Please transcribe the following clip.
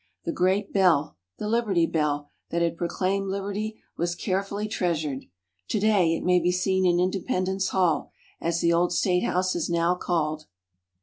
The great bell the Liberty Bell that had proclaimed Liberty, was carefully treasured. To day, it may be seen in Independence Hall, as the old State House is now called.